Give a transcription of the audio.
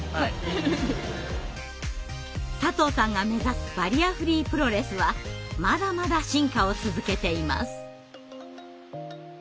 佐藤さんが目指すバリアフリープロレスはまだまだ進化を続けています。